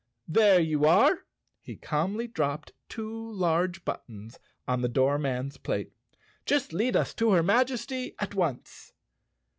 "There you are." He calmly dropped two large but¬ tons on the doorman's plate. "Just lead us to her Maj¬ esty at once."